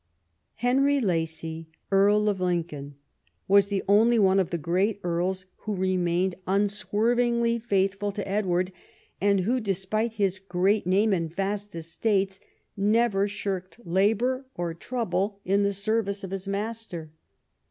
Henry Lacy, Earl of Lincoln, was the only one of the great earls who remained unswervingly faithful to Edward, and who, despite his great name and vast estates, never shirked labour or trouble in the service of his master.